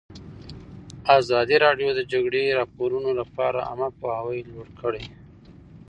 ازادي راډیو د د جګړې راپورونه لپاره عامه پوهاوي لوړ کړی.